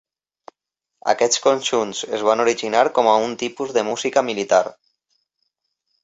Aquests conjunts es van originar com a un tipus de música militar.